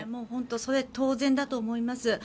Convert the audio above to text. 本当にそれは当然だと思います。